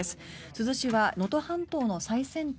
珠洲市は能登半島の最先端